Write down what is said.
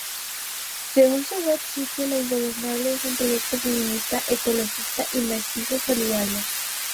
Según su web sitio, La Ingobernable es un proyecto feminista, ecologista, mestizo y solidario.